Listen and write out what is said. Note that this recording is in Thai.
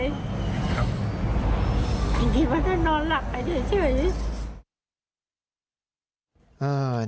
อย่างนี้ว่าต้องนอนหลับไปเฉย